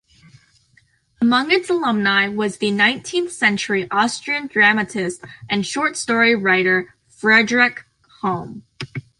Among its alumni was the nineteenth-century Austrian dramatist and short-story writer, Friedrich Halm.